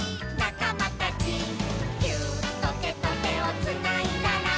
「ギューッとてとてをつないだら」